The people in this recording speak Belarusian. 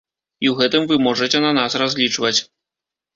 І ў гэтым вы можаце на нас разлічваць.